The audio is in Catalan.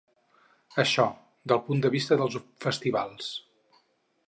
Això, del punt de vista dels festivals.